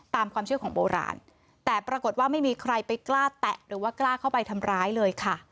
ตามความเชื่อของโบราณแต่ปรากฏว่าไม่มีใครไปกล้าแตะหรือว่ากล้าเข้าไปทำร้ายเลยค่ะ